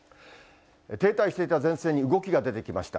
停滞していた前線に動きが出てきました。